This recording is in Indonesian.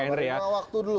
paradigma waktu dulu